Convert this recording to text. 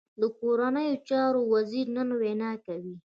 د کورنیو چارو وزیر نن وینا کوي